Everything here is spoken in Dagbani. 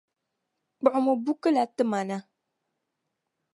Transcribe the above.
Kpuɣimi buku la nti ma na.